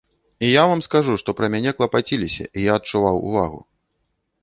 І я вам скажу, што пра мяне клапаціліся і я адчуваў увагу.